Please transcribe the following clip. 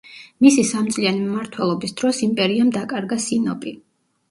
მისი სამწლიანი მმართველობის დროს იმპერიამ დაკარგა სინოპი.